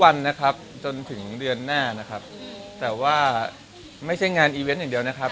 ไม่มีครับไม่มีเรื่องให้ถ่ายเพิ่มครับไม่ได้มีอย่างงี้ครับ